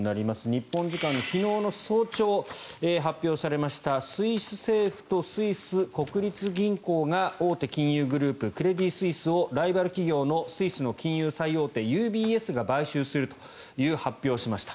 日本時間、昨日の早朝に発表されましたスイス政府とスイス国立銀行が大手金融グループクレディ・スイスをライバル企業のスイスの金融最大手、ＵＢＳが買収するという発表をしました。